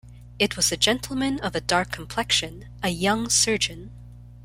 It was a gentleman of a dark complexion — a young surgeon.